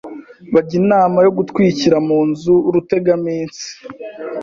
Bajya inama yo gutwikira mu nzu Rutegaminsi